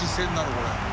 これ。